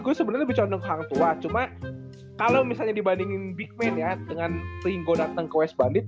gue sebenernya bercondong ke hang tua cuma kalau misalnya dibandingin big man ya dengan ringo dateng ke west bandit